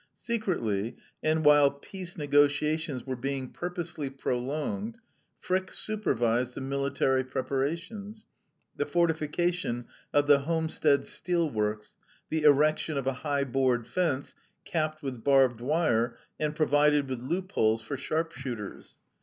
Secretly, and while peace negotiations were being purposely prolonged, Frick supervised the military preparations, the fortification of the Homestead Steel Works, the erection of a high board fence, capped with barbed wire and provided with loopholes for sharpshooters.